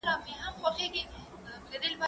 زه کولای سم ليکنه وکړم،